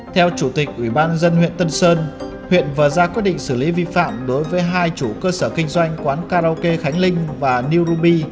theo chủ tịch ủy ban dân huyện tân sơn huyện vừa ra quyết định xử lý vi phạm đối với hai chủ cơ sở kinh doanh quán karaoke khánh linh và new ruby